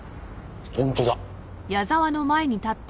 本当だ。